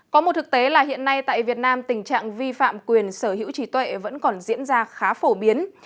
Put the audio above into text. có một thực tế là hiện nay tại việt nam tình trạng vi phạm quyền sở hữu trí tuệ vẫn còn diễn ra khá phổ biến